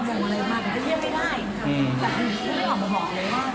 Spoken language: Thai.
หอมมากคนเราไม่สมัยจะมีความห่วง